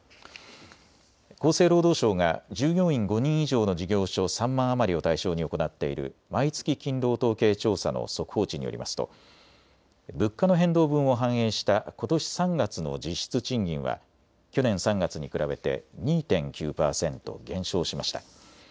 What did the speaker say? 厚生労働省が従業員５人以上の事業所３万余りを対象に行っいる毎月勤労統計調査の速報値によりますと物価の変動分を反映したことし３月の実質賃金は去年３月に比べ２．９％減少しました。